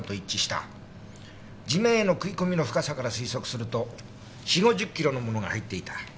地面への食い込みの深さから推測すると４０５０キロのものが入っていた。